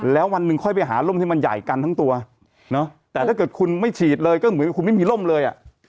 แล้ววันหนึ่งค่อยไปหาร่มที่มันใหญ่กันทั้งตัวแต่ถ้าเกิดคุณไม่ฉีดเลยก็เหมือนกับคุณไม่มีร่มเลยอ่ะ